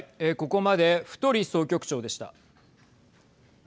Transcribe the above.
ここまで太総局長でした。